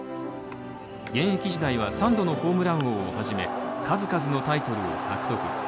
現役時代は３度のホームラン王をはじめ数々のタイトルを獲得。